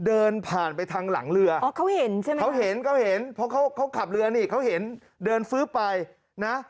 เดินผ่านไปทางหลังเรืออ๋อเขาเห็นใช่ไหมเขาเห็นเขาเห็นเพราะเขาขับเรือนี่เขาเห็นเดินฟื้บไปนะ